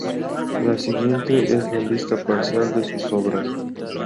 La siguiente es una lista parcial de sus obras.